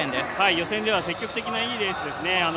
予選では積極的な、いいレースですね。